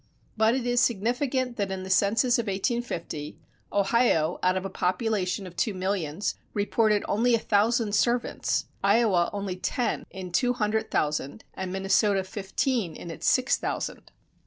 But it is significant that in the census of 1850, Ohio, out of a population of two millions, reported only a thousand servants, Iowa only ten in two hundred thousand and Minnesota fifteen in its six thousand.